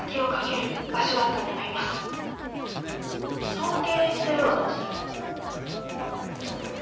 「尊敬してる」はどうするの？